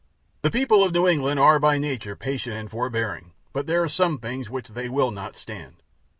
The people of New England are by nature patient and forbearing, but there are some things which they will not stand.